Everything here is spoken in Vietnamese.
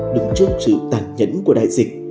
đứng trước sự tàn nhẫn của đại dịch